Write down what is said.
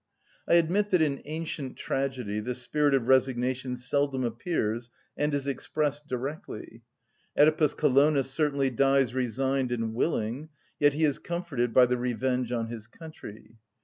I admit that in ancient tragedy this spirit of resignation seldom appears and is expressed directly. Œdipus Colonus certainly dies resigned and willing; yet he is comforted by the revenge on his country.